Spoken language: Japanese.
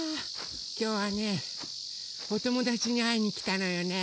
きょうはねおともだちにあいにきたのよね。